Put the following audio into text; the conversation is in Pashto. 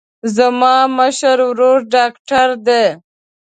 زما مشر ورور ډاکتر دی.